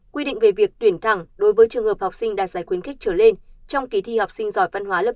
quy định về việc tuyển thẳng đối với trường hợp học sinh đạt giải khuyến khích trở lên trong kỳ thi học sinh giỏi văn hóa lớp một